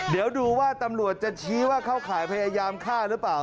เดี๋ยวดูว่าตำรวจจะชี้ว่าเข้าข่ายพยายามฆ่าหรือเปล่า